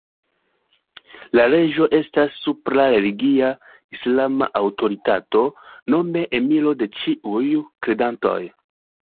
La reĝo estas la supra religia islama aŭtoritato, nome Emiro de ĉiuj kredantoj.